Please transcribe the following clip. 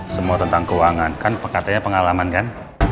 semua tentang keuangan kan katanya pengalaman kan